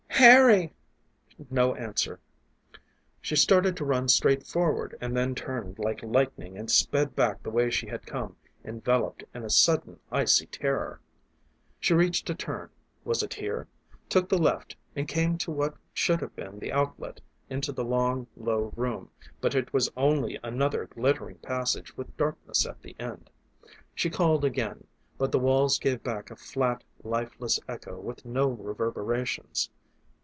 "Harry!" No answer. She started to run straight forward, and then turned like lightning and sped back the way she had come, enveloped in a sudden icy terror. She reached a turn was it here? took the left and came to what should have been the outlet into the long, low room, but it was only another glittering passage with darkness at the end. She called again, but the walls gave back a flat, lifeless echo with no reverberations.